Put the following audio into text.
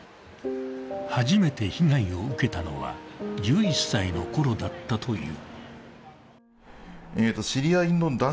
初めて被害を受けたのは１１歳のころだったという。